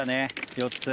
４つ。